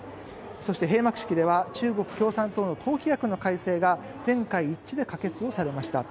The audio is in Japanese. そして、閉幕式では中国共産党の党規約の改正が全会一致で可決されました。